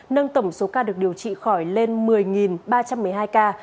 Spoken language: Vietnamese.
nâng tổng số ca được điều trị khỏi lên một mươi ba trăm một mươi hai ca